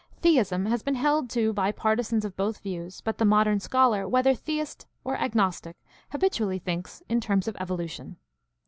Theism has been held to by partisans of both views, but the modern scholar, whether theist or agnostic, habitually thinks in terms of evolution.